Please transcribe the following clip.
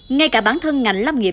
ngay cả bản thân ngành lâm nghiệp